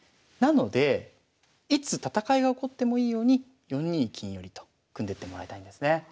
なのでいつ戦いが起こってもいいように４二金寄と組んでってもらいたいんですね。